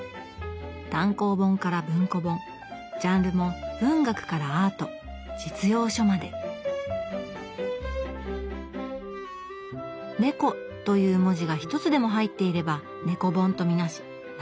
単行本から文庫本ジャンルも文学からアート実用書まで「猫」という文字が一つでも入っていれば猫本と見なし並べているそうです。